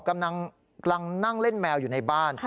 กำลังนั่งเล่นแมวอยู่ในบ้าน